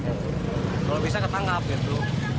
kalau bisa ketangkap gitu